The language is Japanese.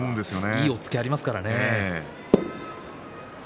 いい押っつけがありますからね。